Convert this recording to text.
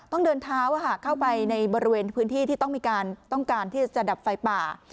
ต้องเดินท้าว่าเข้าไปในบริเวณพื้นที่ที่ต้องการที่จะจัดดับไฟป่า